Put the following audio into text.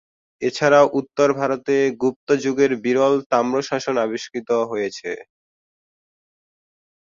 এছাড়াও উত্তর ভারতে গুপ্ত যুগের বিরল তাম্রশাসন আবিষ্কৃত হয়েছে।